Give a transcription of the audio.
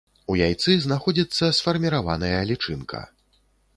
У яйцы знаходзіцца сфарміраваная лічынка.